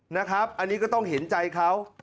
นะครับอันนี้ก็ต้องเห็นใจเขา